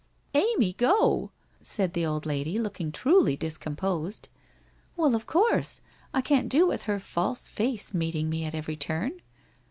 'Amy go!' said the old lady looking truly discomposed. ' Well of course. I can't do with her false face meeting me at every turn.'